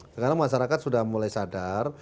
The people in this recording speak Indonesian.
sekarang masyarakat sudah mulai sadar